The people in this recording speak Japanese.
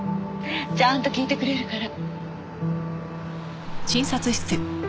ちゃんと聞いてくれるから。